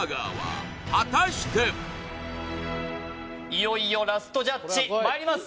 いよいよラストジャッジまいります